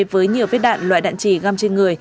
với nhiều viết đạn loại đạn trì găm trên người